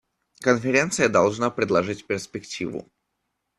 Конференция должна предложить перспективу.